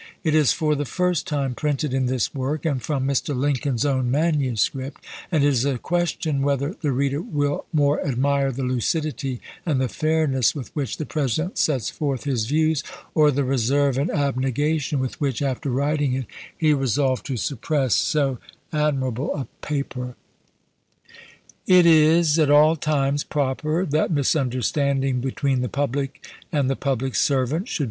It is for the first time printed in this work, and from Mr. Lin coln's own manuscript; and it is a question whether the reader will more admire the lucidity and the fairness with which the President sets forth his views, or the reserve and abnegation with which, after writing it, he resolved to suppress so admi rable a paper: " It is at all times proper that misunderstanding between the public and the public servant should Vol.